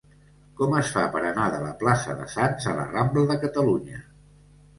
Com es fa per anar de la plaça de Sants a la rambla de Catalunya?